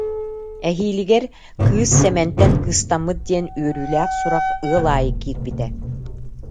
Эһиилигэр кыыс Сэмэнтэн кыыстаммыт диэн үөрүүлээх сурах ыал аайы киирбитэ